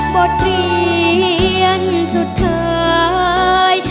บทเรียนสุดท้าย